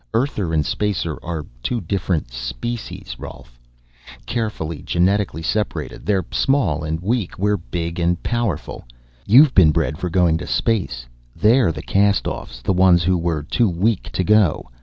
"Earther and Spacer are two different species, Rolf. Carefully, genetically separated. They're small and weak, we're big and powerful. You've been bred for going to space; they're the castoffs, the ones who were too weak to go.